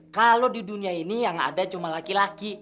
kalau di dunia ini yang ada cuma laki laki